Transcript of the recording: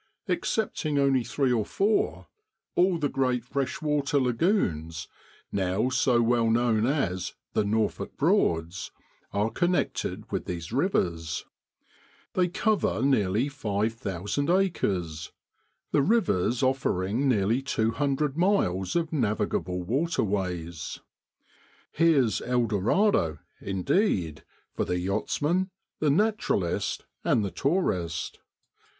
Excepting only three or four, all the great freshwater lagoons, now so well known as ' The Norfolk Broads,' are connected with these rivers; they cover nearly 5,000 acres, the rivers offering nearly 200 miles of navigable waterways. Here's El Dorado, indeed, for the yachtsman, the naturalist, and the tourist